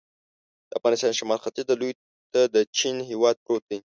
د افغانستان شمال ختیځ ته لور ته د چین هېواد پروت دی.